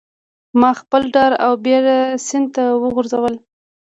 ماخپل ډار او بیره سیند ته وغورځول